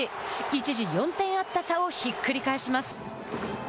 一時、４点あった差をひっくり返します。